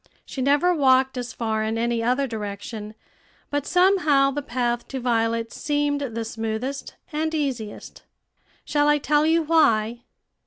She never walked as far in any other direction; but some how the path to Violet's seemed the smoothest and easiest. Shall I tell you why?